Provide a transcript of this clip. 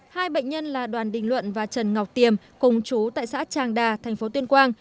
hai bệnh nhân là đoàn đình luận và trần ngọc tiềm cùng trú tại xã trang đa thành phố tuyên quang